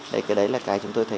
đấy cái đấy là cái chúng tôi thấy